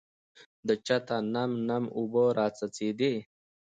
د چته نم نم اوبه راڅڅېدې .